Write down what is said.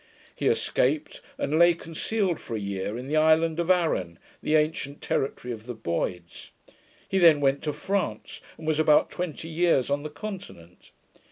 He escaped, and lay concealed for a year in the island of Arran, the ancient territory of the Boyds. He then went to France, and was about twenty years on the continent.